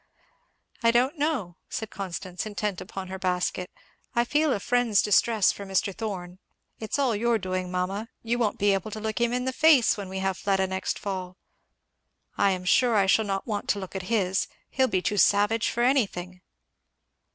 "I don't know, " said Constance, intent upon her basket, "I feel a friend's distress for Mr. Thorn it's all your doing, mamma, you won't be able to look him in the face when we have Fleda next fall I am sure I shall not want to look at his! He'll be too savage for anything."